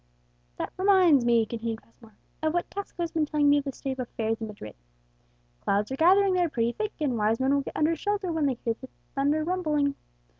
That reminds me," continued Passmore, "of what Tasco has been telling me of the state of affairs in Madrid. Clouds are gathering there pretty thick, and wise men will get under shelter when they hear the thunder rumbling.